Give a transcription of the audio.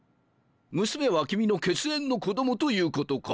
娘は君の血縁の子供ということか？